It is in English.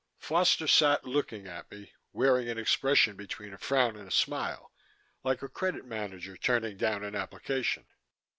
Foster sat looking at me, wearing an expression between a frown and a smile, like a credit manager turning down an application.